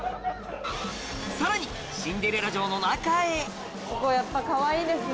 さらにシンデレラ城の中へここやっぱかわいいですね。